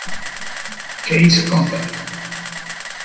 Case Company.